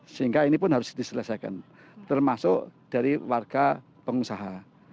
sehingga ini pun harus diselesaikan termasuk dari warga pengusaha